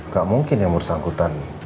gak mungkin yang bersangkutan